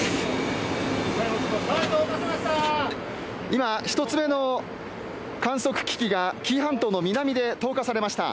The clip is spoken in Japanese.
今、１つ目の観測機器が紀伊半島の南で投下されました。